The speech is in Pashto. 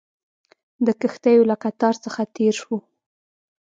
د کښتیو له قطار څخه تېر شوو.